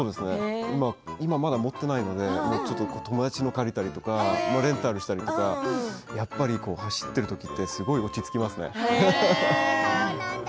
今はまだ持っていないので友達のものを借りたりレンタルしたりとか走っている時ってすごい落ち着きますね。